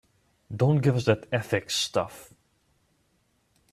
Don't give us that ethics stuff.